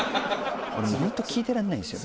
ホント聞いてらんないんですよ。